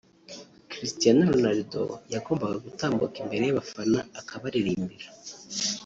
Cristiano Ronaldo yagombaga gutambuka imbere y’abafana akabaririmbira